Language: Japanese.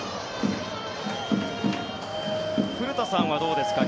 古田さんはどうですか。